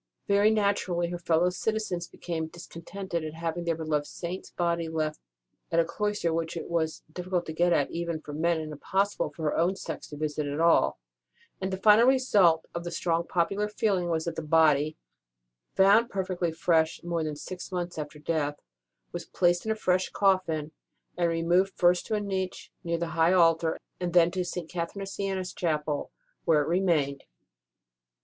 Very naturally her fellow citizens became discon tented at having their beloved Saint s body left within a cloister which it was difficult to get at even for men, and impossible for her own sex to visit at all; and the final result of the strong popular feeling was that the body (found perfectly fresh more than six months after death) was placed in a fresh coffin, and removed first to a niche near the high altar, and then to St. Catherine of Siena s Chapel, where it remained.